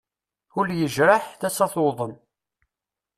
Ul yejreḥ, tasa tuḍen.